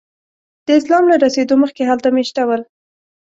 د اسلام له رسېدو مخکې هلته میشته ول.